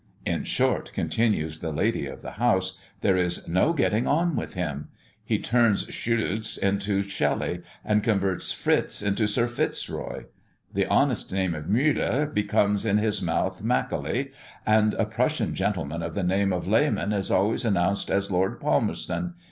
"In short," continues the lady of the house, "there is no getting on with him. He turns Schulze into Shelly, and converts Fritze into Sir Fitzroy. The honest name of Müller becomes in his mouth Macaulay, and a Prussian gentleman of the name of Lehman is always announced as Lord Palmerston.